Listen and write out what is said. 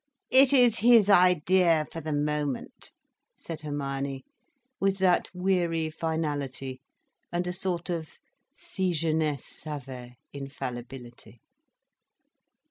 "It is his idea for the moment," said Hermione, with that weary finality, and a sort of si jeunesse savait infallibility.